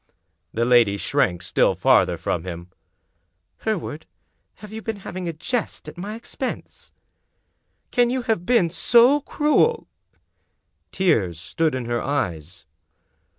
The lady shrank still farther from him. " Hereward, have you been having a jest at my expense? Can you have been so cruel? " Tears stood in her eyes.